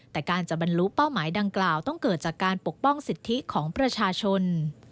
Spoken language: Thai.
แต่การจะบรรลุเป้าหมายดังกล่าวต้องเกิดจากการปกป้องสิทธิของประชาชน